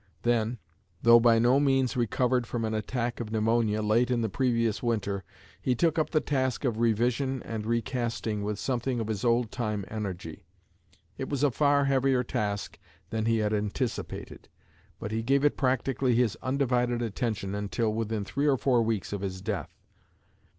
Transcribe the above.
Then, though by no means recovered from an attack of pneumonia late in the previous winter, he took up the task of revision and recasting with something of his old time energy. It was a far heavier task than he had anticipated, but he gave it practically his undivided attention until within three or four weeks of his death.